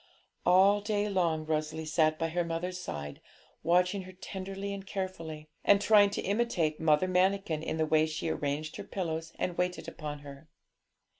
All day long Rosalie sat by her mother's side, watching her tenderly and carefully, and trying to imitate Mother Manikin in the way she arranged her pillows and waited upon her.